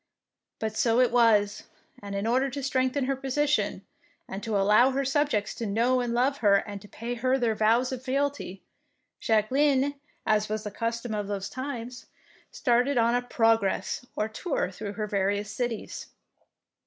But so it was; and in order to strengthen her position, and to allow her subjects to know and love her and to pay her their vows of fealty, Jacqueline, as was the custom in those times, started on a "progress," or tour through her various cities.